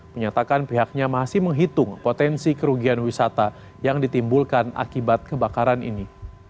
menyatakan pihaknya masih menghitung potensi kerugian wisata yang ditimbulkan akibat kebakaran ini